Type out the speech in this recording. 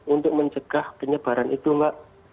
untuk mencegah penyebaran itu mbak